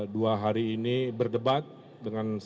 dua hari ini berdebat dengan